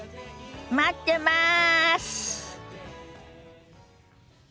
待ってます！